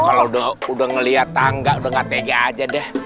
kalau udah ngeliat tangga udah gak tega aja deh